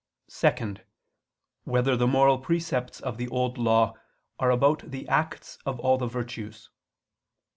(2) Whether the moral precepts of the Old Law are about the acts of all the virtues?